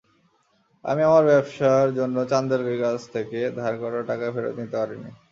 আমি আমার ব্যবসার জন্য চান্দেলের কাছ থেকে, ধার করা টাকা ফেরত দিতে পারিনি।